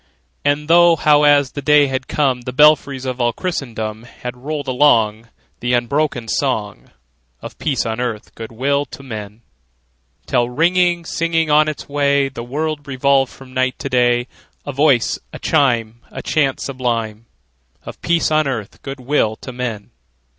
And thought how, as the day had come, The belfries of all Christendom Had rolled along The unbroken song Of peace on earth, good will to men! Till, ringing, singing on its way, The world revolved from night to day, A voice, a chime, A chant sublime Of peace on earth, good will to men!